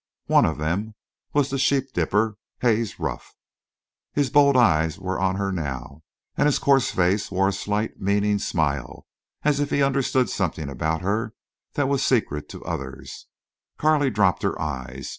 One of them was the sheep dipper, Haze Ruff. His bold eyes were on her now, and his coarse face wore a slight, meaning smile, as if he understood something about her that was a secret to others. Carley dropped her eyes.